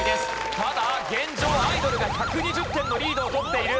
ただ現状アイドルが１２０点のリードを取っている。